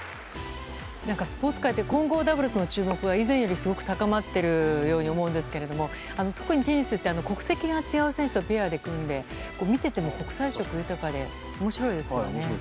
スポーツ界って混合ダブルスの注目が以前よりすごく高まっているように思うんですが特にテニスって国籍が違う選手とペアで組むので見てても国際色豊かで面白いですよね。